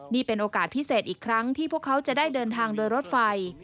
นี่เป็นโอกาสพิเศษอีกครั้งที่พวกเขาจะได้เดินทางโดยรถไฟ